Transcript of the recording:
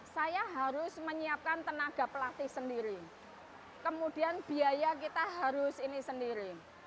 saya harus menyiapkan tenaga pelatih sendiri kemudian biaya kita harus ini sendiri